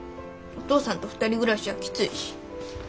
お父さんと２人暮らしはきついし。